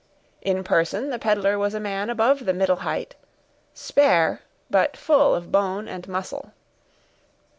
In person, the peddler was a man above the middle height, spare, but full of bone and muscle.